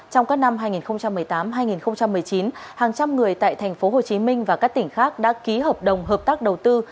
trong các năm hai nghìn một mươi tám hai nghìn một mươi chín hàng trăm người tại tp hcm và các tỉnh khác đã ký hợp đồng hợp tác đầu tư